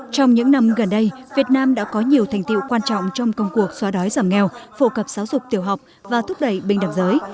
trong những năm gần đây việt nam đã có nhiều thành tiệu quan trọng trong công cuộc xóa đói giảm nghèo phổ cập giáo dục tiểu học và thúc đẩy bình đẳng giới